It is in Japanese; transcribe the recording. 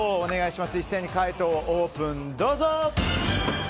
一斉に解答をオープン。